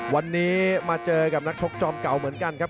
วันนี้มาเจอกับนักชกจอมเก่าเหมือนกันครับ